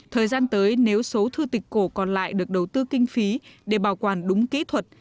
thời gian tới nếu số thư tịch cổ còn lại được đầu tư kinh phí để bảo quản đúng kỹ thuật